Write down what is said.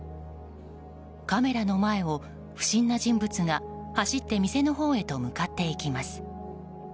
カメラの前を不審な人物が走って店のほうへと向かっていきます。